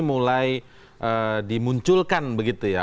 mulai dimunculkan begitu ya